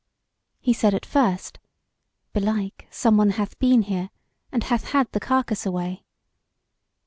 He said at first: Belike someone hath been here, and hath had the carcase away.